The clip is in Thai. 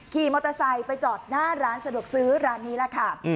ขี่มอเตอร์ไซค์ไปจอดหน้าร้านสะดวกซื้อร้านนี้แหละค่ะ